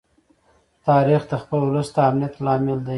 تاریخ د خپل ولس د امنیت لامل دی.